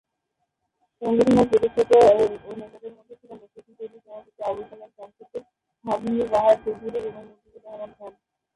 সংগঠনের প্রতিষ্ঠাতা ও নেতাদের মধ্যে ছিলেন উক্ত সোসাইটির সভাপতি আবুল কালাম শামসুদ্দিন, হাবিবুল্লাহ বাহার চৌধুরী এবং মুজিবুর রহমান খান।